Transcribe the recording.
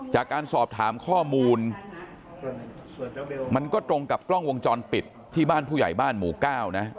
จากการสอบถามข้อมูลมันก็ตรงกับกล้องวงจรปิดที่บ้านผู้ใหญ่บ้านหมู่เก้านะ